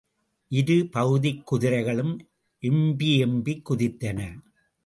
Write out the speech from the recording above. இரு பகுதிக் குதிரைகளும் எம்பி எம்பிக் குதித்தன.